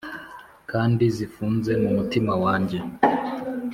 kandi zifunze mu mutima wanjye